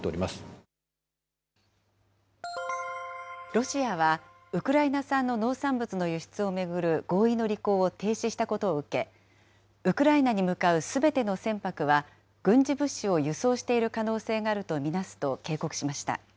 ロシアは、ウクライナ産の農産物の輸出を巡る合意の履行を停止したことを受け、ウクライナに向かうすべての船舶は、軍事物資を輸送している可能性があると見なすと警告しました。